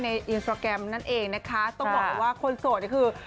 อินสตราแกรมนั่นเองนะคะต้องบอกเลยว่าคนโสดนี่คือ